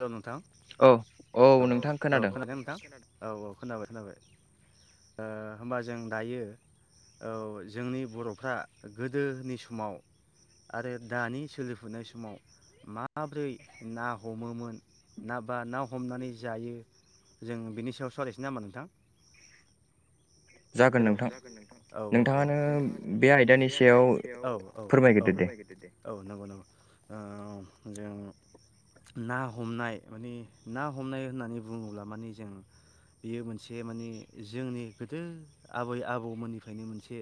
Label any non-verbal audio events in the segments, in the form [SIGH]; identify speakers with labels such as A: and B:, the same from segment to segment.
A: Hello नोंथां
B: औ
A: औ औ खोनादों नोंथां? औ औ खोनाबाय खोनाबाय। होमबा जों दायो औ जोंनि बरफ्रा गोदोनि समाव आरो दानि सोलिफुनाय समाव माबोरै ना हम हमोमोन ना बा ना हमनानै जायो जों बिनि सायाव सावरायसै। नामा होनबा नोंथां?
B: जागोन
A: हेलौ
B: नोंथां
A: जागोन नोंथां औ औ औ
B: नोंथाङानो
A: नोंथाङानो बे आयदानि सायाव औ औ औ फोरमायग्रोदो दे। औ नंगौ नंगौ। जों ना हमनाय माने ना हमनाय होननानै बुङोब्ला माने जों बेयो मोनसे मानि जोंनि गोदो आबै आबौमोननिफ्रायनो मोनसे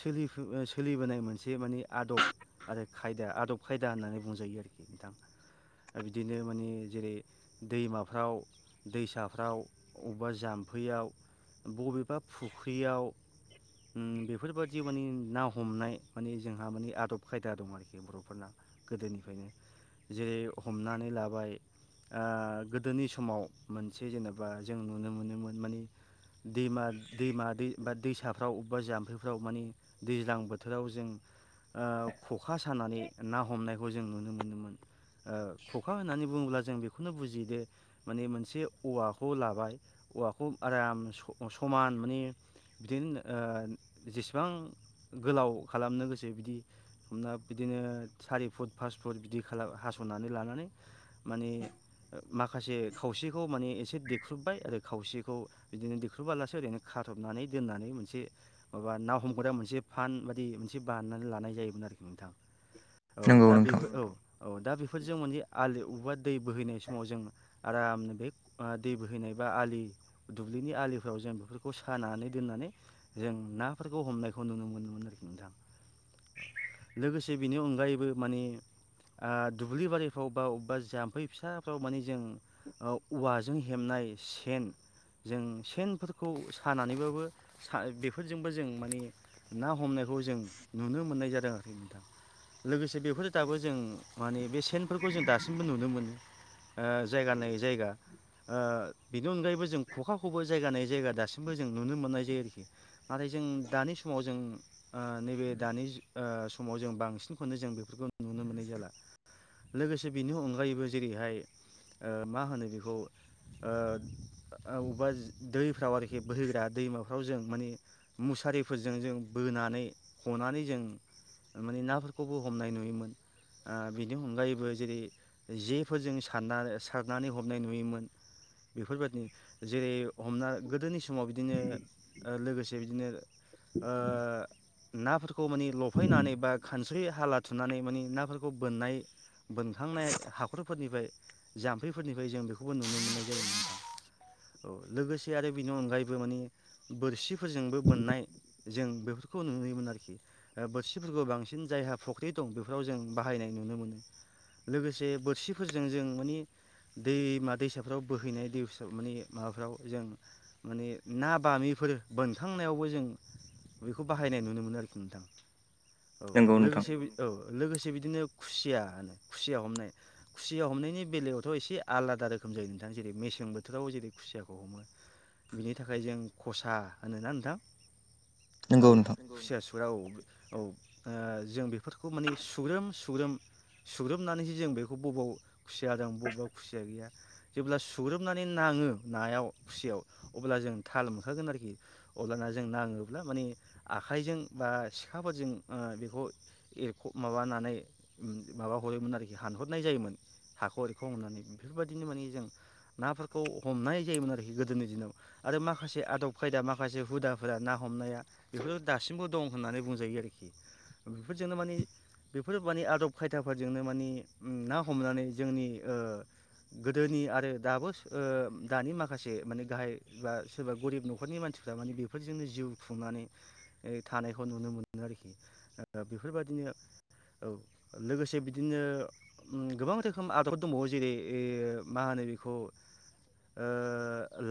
A: सोलिफु ओ सोलिबोनाय मोनसे माने आदब आरो खायदा आदब खायदा होननानै बुंजायो आरोखि नोंथां बिदिनो माने जेरै दैमाफ्राव दैसाफ्राव अबेबा जाम्फैयाव बबेबा फु ख्रियाव उम बेफोरबादि माने ना हमनाय माने जोंहा माने आदब खायदा दं आरोखि बर'फोरना गोदोनिफ्रायनो जे हमनानै लाबाय गोदोनि समाव मोनसे जेनेबा जों नुनो मोनोमोन मानि दैमा दैमा दै बा दैसाफ्राव बबबा जाम्फैफ्राव माने दैज्लां बोथोराव जों ओ ख'खा सानानै ना हमनायखौ जों नुनो मोनोमोन ओ ख'खा होननानै बुङोब्ला जों बेखौनो बुजियो दे माने मोनसे औवाखौ लाबाय औवाखौ आराम स-समान माने बिदिनो जेसेबां गोलाव खालामनो गोसो बिदि हमना बिदिनो सारि फुट फास फुट बिदि खालाम हासनानै लानानै माने ओ माखासे खावसेखौ माने एसे देख्रुबबाय आरो खावसेखौ बिदिनो देख्रुबालासो ओरैनो खाथबनानै दोननानै मोनसे माबा ना हमग्रा मोनसे फान बायदि मोनसे बानायनानै लानाय जायोमोन आरोखि नोंथां। औ
B: नंगौ
A: दा
B: नोंथां
A: बेफोर औ। औ दा बेफोरजों माने आलि बबेबा दै बोहैनाय समाव जों आरामनो बे दै बोहैनाय बा आलि दुब्लिनि आलिफोराव जों बे बे खौ सानानै दोननानै जों नाफोरखौ हमनायखौ नुनो मोनोमोन आरोखि नोंथां। लोगोसे बेनि अनगायैबो माने ओ दुब्लि बारिफ्राव बा अबेबा जाम्फै फिसाफ्राव माने जों औ औवाज जों हेबनाय सेन जों सेनफोरख खौ सानानैबाबो बेफोरजोंबो जों माने ना हमनायखौ जों नुनो मोननाय जादों आरोखि नोंथां। लोगोसे बेफोर दाबो जों मानि बे सेनफोरखौ जों दासिमबो नुनो मोनो। ओ जायगा नायै जायगा ओ बेनि अनगायैबो जों ख'खाखौबो जायगा लायै जायगा दासिमबो जों नुनो मोननाय जायो आरोखि। नाथाय जों ओ दानि समाव जों नैबे दानि ओ समाव जों बांसिनखौनो जों बेफोरखौ नुनो मोननाय जाला। लोगोसे बेनि अनगायैबो जेरैहाय मा होनो बेखौ ओ अबेबा दै बोहैग्रा दैमाफ फ्राव जों माने मुसारिफोरजों जों बोनानै हनानै जों माने नाफोरखौबो हमनाय नुयोमोन। ओ बेनि अनगायैबो जेरै जेफोरजों सानना-सारनानै हमनाय नुयोमोन बेफोरबायदि जेरै हमना गोदोनि सम समाव बिदिनो ओ लोगोसे बिदिनो ओ नाफोरखौ माने लफायनानै बा खानस्रि हाला थुनानै माने नाफोरखौ बोननाय बोनखांनाय हाखर फोरनिफ्राय जामफैफोरनिफ्राय जों बे नुनो मोननाय जायोमोन। औ लोगोसे आरो बिनि अनायै बो मानि बोरसि फोरजोंबो बोननाय जों बेफोरखौ नुनोमोन आरोखि। बोरसिफोरखौ बांसिन जायहा फुख्रि दं बेफोराव जों बाहायनाय नुनो मोनो। लोगोसे बोरसिफोरजों जों मानि दैमा दैसाफ्राव बोहैनाय दै माने माबाफ्राव जों माने ना बामिफोर बोनखांनायावबो जों बेखौ बाहायनाय नुनो मोनो आरोखि नोंथां। औ
B: नंगौ नोंथां
A: लोगोसे औ लोगोसे बिदिनो खुसिया होनो खुसिया हमनाय खुसिया हमनायनि बेलायावथ एसे आलादा रोखोम जायो नोंथां। जेरै मेसें बोथोराव जेरै खुसियाखौ हमो। बिनि थाखाय जों खसा होनोना नोंथां। औ
B: नंगौ नोंथां
A: खुसिया सुग्रा औ औ। ओ जों बेफोरखौ माने सुग्रोम सुग्रोम सुग्रोमनानैसो जों बेखौ बबाव खुसिया दं बबा खुसिया गैया जेब्ला सुग्रोमनानै नाङो नायाव खुसियाव अब्ला जों थाल मोनखागोन आरोखि अब्लाना जों नाङोब्ला माने आखाइजों बा सिखाफोरजों बेखौ एरख माबानानै माबा हरोमोन आरोखि हानहरनाय जायोमोन हाखौ एरख हरनानै बेफोरबायदिनो माने जों नाफोरखौ हमनाय जायोमोन आरोखि गोद गोदोनि दिनाव आरो माखासे आदब खायदा माखासे हुदाफोरा ना हमनाया बेफोर दासिमबो दं होननानै बुंजायो आरोखि बेफोरजोंनो मानि बेफोर माने आदब खायदाफोरजोंनो मानि ना हमनानै जोंनि गोदोनि आरो दाबो दानि माखासे से माने गाहाय बा सोरबा गरिब नखरनि मानसिफ्रा माने बेफोरजोंनो जिउ खुंनानै थानायखौ नुनो मोनो आरोखि बेफोरबादिनो औ लोगोसे बिदिनो गोबां रोखोम आदबफोर दंबावो जेरै मा होनो बेखौ ओ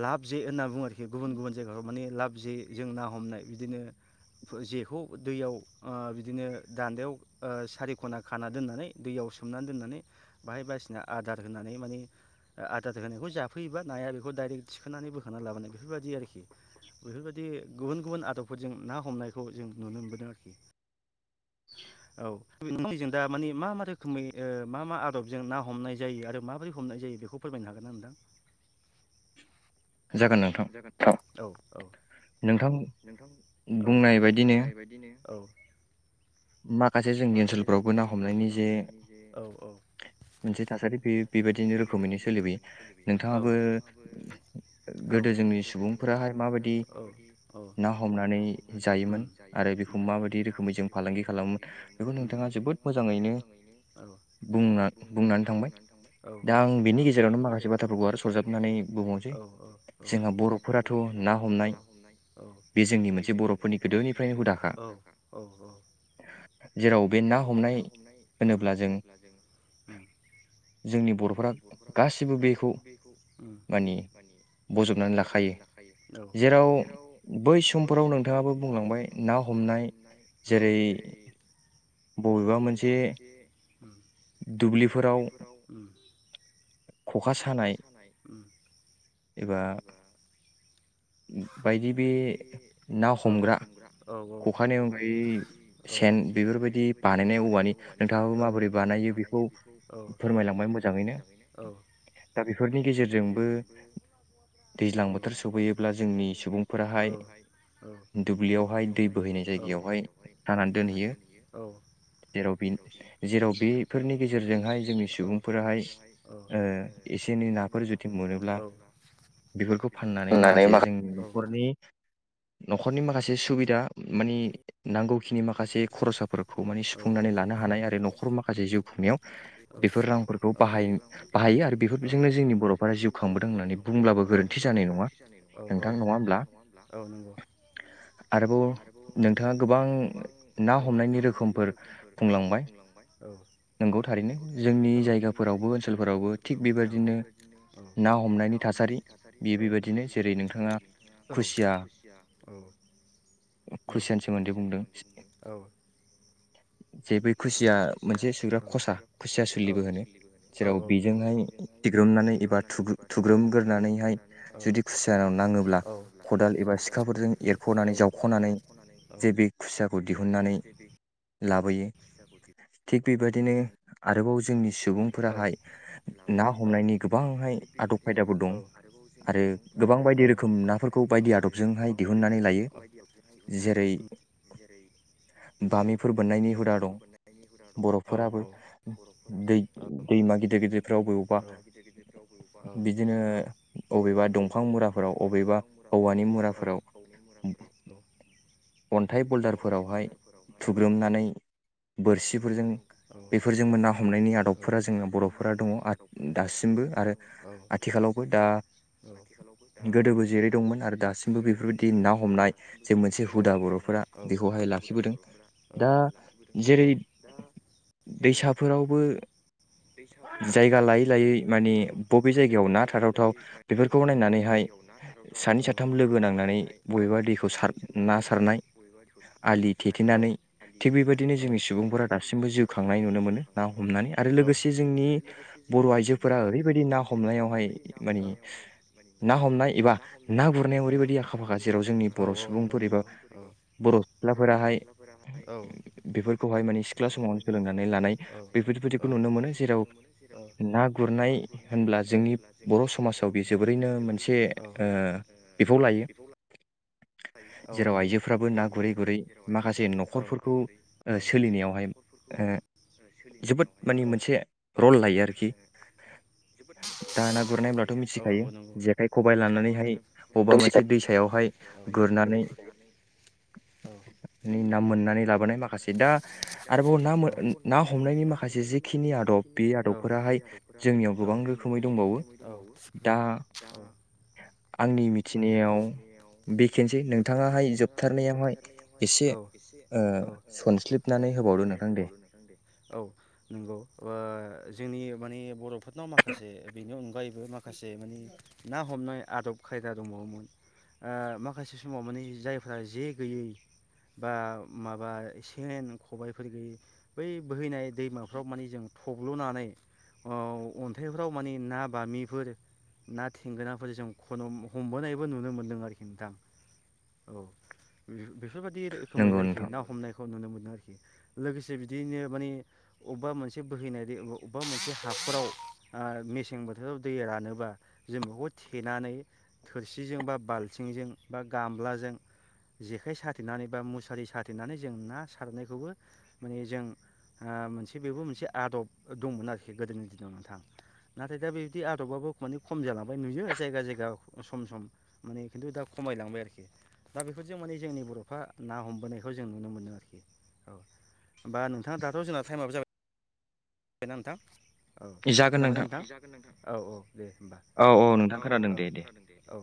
A: लाब जे होनना बु आर गुबुन गुबुन जायगायाव माने लाब जे जों ना हमनाय बिदिनो जेखौ दैयाव ओ बिदिनो दान्दायाव ओ सारि ख'ना खाना दोननानै दैयाव सोमनानै दोननानै बाहाय बायसिना आदार होनानै मानि आदार होनायखौ जाफैयोबा नाया बेखौ डाइरेक्ट थिखोनानै बोखोना लाबोनाय बेफोरबायदि आरोखि बेफोरबायदि गुबुन गुबुन आदबफोरजों ना हमनायखौ जों नुनो मोनबोदों आरोखि। औ नोंथांनिजों दा मानि मा मा रोखोमै ओ मा मा आदबजों ना हमनाय जायो आरो माबोरै हमनाय जायो बेखौ फोरमायनो हागोन ना नोंथां?
B: जागोन नोंथां
A: जागोन औ औ
B: नोंथां
A: नोंथां औ
B: बुंनाय बायदिनो
A: बुंनाय बायदिनो औ
B: माखासे जोंनि ओनसोलफ्रावबो ना हमनायनि जे मोनसे थासारि बे बेबायदिनो रोखोमैनो सोलिबोयो नोंथाङाबो
A: औ
B: गोदो जोंनि
A: गोदो जोंनि
B: सुबुंफोराहाय
A: सुबुंफोरा
B: माबायदि
A: औ औ
B: ना हमनानै
A: ना हमनानै
B: जायोमोन
A: जायोमोन आरो बेखौ
B: रोखोमै
A: माबायदि
B: जों
A: रोखा
B: फालांगि खालामो बेखौ नोंथाङा जोबोद मोजाङैनो बुंनानै थांबाय। दा आं बेनि गेजेरावनो माखासे बाथ्राफोरखौ आरो सरजाबनानै बुंबावनोसै।
A: औ औ औ जोंहा बर'फोराथ' ना हमनाय औ बे जोंनि मोनसे बर'फोरनि गोदोनिफ्रायनोखा औ औ जेराव बे ना हमनाय उम होनोब्ला जों उम जोंनि बर'फोरा गासिबो बेखौ
B: माने
A: मानि बजबनानै लाखायो औ जेराव बै समफोराव नोंथाङाबो बुंलांबाय ना हमनाय
B: जेरै
A: अ'जेरै बबेबा मोनसे दुब्लिफोराव खखा सानाय
B: एबा
A: बायदि बे औ ना हमग्रा औ औ खखानि ओंख्रि औ सेन बेफोरबायदि बानायनाय औवानि औ फोरखौ माबोरै बानायो बेखौ औ फोरमायलांबाय मोजाङैनो औ दा बेफोरनि गेजेरजों
B: दैज्लां बोथोर सफैयो।
A: दुुबैयोब्ला जोंनि औ सुबुंफोरहाय औ दुब्लियावहाय दै औ बोथान जायगायावहाय सानानै दोनहैयो। औ जेर जेराव बे जेराव बेफोरनि गेजेरजोंहाय औ सुबुंफोराहाय औ ओ एसे एनै नाफोर
B: बेफोरखौ फाननानै माखासे जे जोंनि न'खरनि न'खरनि माखासे सुबिदा माने नांगौखिनि माखासे खरसाफोर खौ माने सुफुंनानै लानो हानाय आरो न'खराव माखासे जिउ खांनायाव बेफोर रांफोरखौ
A: खरसफोर
B: बाहाय बाहायो आरो बेफोरजोंनो जोंनि बर'फोरा जिउ खांबोदों होननानै बुंब्लाबो गोरोन्थि जानाय नङा। नोंथां नङा होमब्ला आरोबाव नोंथाङा गोबां ना हमनायनि
A: हमनायनि रोखोमफोर औ बुंलांबाय औ नंगौ थारैनो औ जोंनि जायगाफोरावबो ओनसोलफोरावबो औ बेबायदिनो ना हमनायनि थासारि बेबायदि जेरै नोंथांआ औ खुसिया औ औ खुसियानि सोमोन्दै बुंदो औ।
B: जे बे खुसिया मोनसे सुग्रा खसा खुसिया सुलिबो होनो। जेराव बेजोंहाय दिग्रोमनानै एबा थुग्रोम थुग्रोम गोरनानैहाय जुदि खुसिया नाव नाङोब्ला खदाल एबा सिखाफोरजों एरख'नानै जावख'नानै जे बे खुसियाखौ दिहुननानै [UNINTELLIGIBLE] बेबायदिनो आरोबाव जोंनि सुबुंफोराहाय ना हमनायनि
A: आरोबाव
B: गोबांहाय आदब खायदाबो दं आरो गोबां
A: फोराहाय
B: बायदि
A: ओ
B: रोखोम
A: ना
B: नाफोरखौ
A: हनायनि
B: बायदि
A: आरो
B: आदबजोंहाय
A: गोबां बायदि रोखोम
B: दिहुननानै
A: ना
B: लायो
A: बायदि आहायनायलाय
B: जेरै
A: जेरै
B: बामिफोर बोननायनि हुदा दं
A: बामिफोर बोननायनि हुदा दं। औ
B: बर'फोराबो
A: औ
B: दै
A: बर'फोराबो।
B: दैमा गिदिर गिदिरफाव अबेबबा बिदिनो अबेबा दं फां मुराफोराव अबेबा हौवानि मुराफोराव अन्थाइ बल्दारफोरावहाय थुग्रोमनानै, बोरसिफोरजों
A: थुग्रोमनानै औ
B: बेफोरजोंबो ना
A: बोरसिफोरजों
B: हमनायनि
A: औ
B: आदबफोरा जोंना
A: बेफोरजों ना
B: बर'फोरा दङ
A: हमनायनि आदबफोरा जोंहा
B: दासिमबो
A: बर'फोरा
B: आरो
A: दङ औ
B: आथिखालावबो
A: दासिमबो
B: दा
A: औ ओ आथिखालावबो
B: गोदोबो जेरै दंमोन आरो दासिमबो बेफोरबायदि ना हमनाय, जे मोनसे हुदा बर'फोरा बेखौहाय लाखिबोदों, दा दैसाफोरावबो जायगा लायै लायै मानिे बबे जायगायाव ना थाथावथाव बेफोरखौ नायनानै
A: जायगायाव ना थाथावथाव बेफोरखौ नायनानैहाय
B: बबेबा दैखौ सार
A: सानै सानै
B: ना
A: लोगो नाङनानै
B: सारनाय
A: बबेबाखौ
B: आलि
A: ना साराय
B: थेथेनानै
A: आरो आलि
B: थिग
A: थेनानै
B: बेबायदिनो
A: औ
B: जोंनि सुबुंफोरा
A: थिगबायदिनो जोंनि
B: दासिमबो जिउ
A: सुबुंफोरा,
B: खांनाय
A: दासिमबो
B: नुनो
A: जिउ
B: मोनो ना
A: खांनाय नुनो मोनो
B: हमनानै आरो
A: औ
B: लोगोसे
A: हमनानै
B: जोंनि
A: आरो लोगोसे
B: बर'
A: जोंनि
B: आइजोफोरा ओरैबायदि
A: बर'
B: ना
A: आइजोफोरा
B: हमनायावहाय
A: ओरैबायदि ना औ
B: माने
A: हमनायावहाय माने
B: ना हमनाय एबा ना गुरनायाव ओरैबायदि आखा फाखा जेराव जोंनि बर' सुबुंफोर एबा बर' सिख्लाफोराहाय बेफोर खौहाय माने सिख्ला समावनो सोलोंनानै लानाय, बेफोरबायदिखौ नुनो मोनो, जेराव ना गुरनाय होनब्ला जोंनि बर' समाजाव बे जोबोरैनो मोन। से ओ बिफाव लायो।
A: थायो औ
B: जेराव
A: नंगौ
B: आइजोफ्राबो ना गुरै गुरै
A: जेराव
B: माखासे
A: आइजोफ्राबो औ ना गुरै
B: न'खरफोरखौ
A: गुरै
B: ओ
A: औ माखासे
B: सोलिनायावहाय
A: न'खरफोरखौ
B: ओ जोबोद
A: सोलिनायावहाय
B: माने
A: औ
B: मोनसे रल लायो आरोखि
A: ओ जोबोद [UNINTELLIGIBLE] रल लायो आरो औ नंगौ नंगौ।
B: खबाय लानानैहाय बबेबा मोनसे दैसायावहाय गुरनानै [UNINTELLIGIBLE] ना मोननानै लाबोनाय माखासे दा आरोबाव ना ना हमनायनि माखासे जिेखिनि आदब बे आदब।
A: बे आदबफोराहाय औ जोंनियाव गोबां
B: दंबावो
A: रोखोमै औ दंबावो
B: दा
A: दा। आंनि औ बेखिनियाव
B: बेखेनोसै
A: बेखसै
B: नोंथाङाहाय
A: नोंथाङाहाय
B: जोबथारनायावहाय
A: जोबथारनायावहाय,
B: एसे
A: औ एसे
B: ओ
A: औ
B: सनस्लिबनानै होबावदो
A: सनफलिबनानै
B: नोंथां दे
A: होबावदो नोंथां दे औ नंगौ ओ। जों माने बर' फो नाव माखासे बेनि उन आरो माखासे मानिे ना हमनाय आदब खायदा दंबावोमोन माखासे समाव मानिे जायफ्रा जे गैयै बा माबा सेन खबायफोर गैयै बै बोहैनाय दैमाफ्राव मानिे जों थब थब्ल'नानै अन्थाइफ्राव मानिे ना बामिफोर ना थेंगोनाफोर जों खन हमबोनायबो नुनो मोन्दों आरोखि नोंथां औ। बेफोरबायदि रोखोमै
B: नंगौ
A: आरोखि
B: नोंथां
A: ना हमनाय। खौ नुनो मोनदों आरोखि लोगोसे बिदिनो मानिे अबेबा मोनसे बोहैनाय। अबेबा मोनसे हााखफोराव मेसें बोथोराव, दै रानोबा, जों बेखौ थेनानै थोरसिजों बा बाल्थिंजों बा गामल्बाजों जेखाइ साथेनानै बा मुसारि साथेनानै जों ना सारनायखौबो माने जों मोनसे बेबो मोनसे आदब दंमोन आरोखि गोदोनि दिनाव नोंथां नाथाय दा बेबदि आदबाबो माने खम जालांबाय नुयो जायगा जायगा सम सम माने खिन्थु दा खमायलांबाय आरोखि दा बेफोरजों माने जोंनि बर'फ्रा ना हमबोनायखौ जों नुनो मोनो आरोखि औ होमबा नोंथाङा दाथ' जोंना टाइमाबो जाबाय। बायना नोंथां औ
B: जागोन
A: खोनाबाय ना
B: नोंथां
A: नोंथां औ औ। दे होमबा औ औ खोनादों दे औ